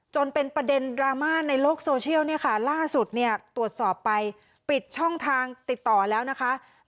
จนเป็นประเด็นดราม่าในโลกโซเชียลล่าสุดตรวจสอบไปปิดช่องทางติดต่อแล้วนะครับ